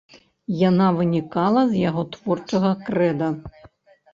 Яна вынікала з яго творчага крэда.